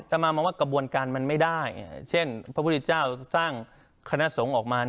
ตามมามองว่ากระบวนการมันไม่ได้เช่นพระพุทธเจ้าสร้างคณะสงฆ์ออกมา